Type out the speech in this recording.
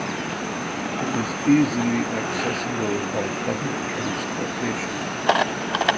It is easily accessible by public transportation.